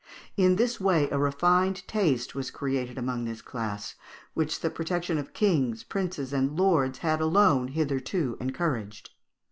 In this way a refined taste was created among this class, which the protection of kings, princes, and lords had alone hitherto encouraged.